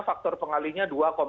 faktor pengalinya dua delapan